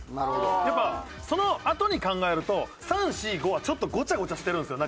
やっぱそのあとに考えると３４５はちょっとごちゃごちゃしてるんですよ